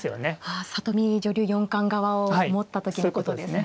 あ里見女流四冠側を持った時のことですね。